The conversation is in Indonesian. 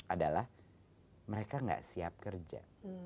adalah mereka tidak siap kerja